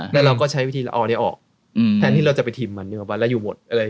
แล้วเราก็ใช้วิธีเอาอันนี้ออกแทนที่เราจะไปทิมมันอยู่หมด